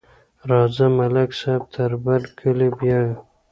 راځه، ملک صاحب تر برکلي بیایو.